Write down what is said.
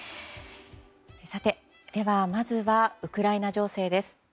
さて、まずはウクライナ情勢です。